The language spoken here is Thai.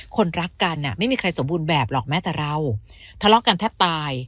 คนรักกันไม่มีใครสมบูรณ์แบบหรอกแม้แต่เราทะเลาะกันแทบตาย